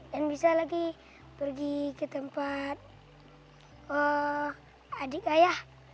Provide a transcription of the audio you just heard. dan bisa lagi pergi ke tempat adik ayah